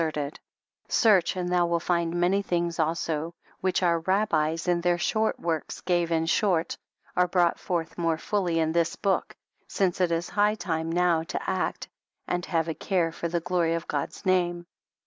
XXIII serted ; search and thou will find many things also, which our Rabbies in their works gave in short, are brought forth more fully in this book since it is high time now to act and have a care for the glory of God's name.